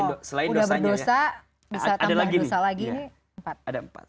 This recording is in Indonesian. oh udah berdosa bisa tambah dosa lagi nih empat